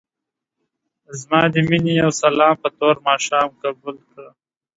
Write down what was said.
ځما دې مينې يو سلام په تور ماښام قبول کړه.